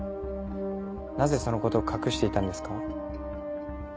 なぜその事を隠していたんですか？